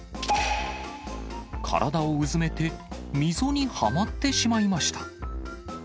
体をうずめて、溝にはまってしまいました。